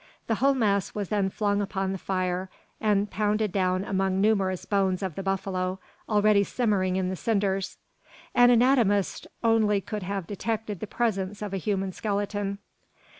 The whole mass was then flung upon the fire, and pounded down among numerous bones of the buffalo, already simmering in the cinders. An anatomist only could have detected the presence of a human skeleton.